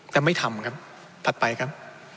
แต่ไม่ทำครับถัดไปครับ